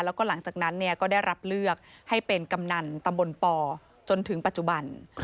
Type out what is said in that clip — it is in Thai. แล้วก็หลังจากนั้นก็ได้รับเลือกให้เป็นกำนันตำบลปจนถึงปัจจุบัน